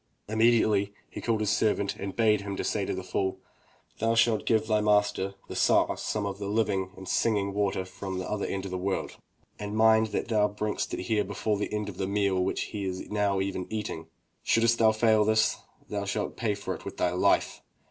Immediately he called his servant and bade him say to the fool: *Thou shalt get thy master, the Tsar, some of the hving 187 MY BOOK HOUSE and singing water from the other end of the world. And mind that thou bringest it here before the end of the meal which he is even now eating. Shouldst thou fail to do this, thou shalt pay for it with thy Ufe."